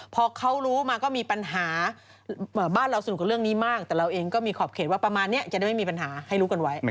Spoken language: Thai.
พอเขารู้มาก็มีปัญหาบ้านเราสนุกกับเรื่องนี้มากแต่เราเองก็มีขอบเขตว่าประมาณนี้จะได้ไม่มีปัญหาให้รู้กันไว้